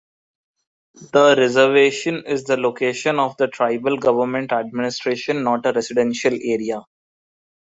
The reservation is the location of the tribal government administration, not a residential area.